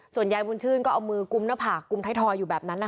ส่วนยายบุญชื่นก็เอามือกุมหน้าผากกุมไทยทอยอยู่แบบนั้น